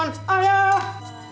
ini tuan ayah